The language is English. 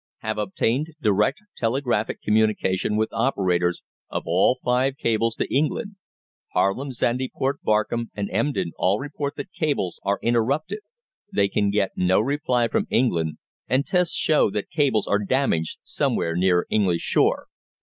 Have obtained direct telegraphic communication with operators of all five cables to England. Haarlem, Zandyport, Barkum, and Emden all report that cables are interrupted. They can get no reply from England, and tests show that cables are damaged somewhere near English shore.'"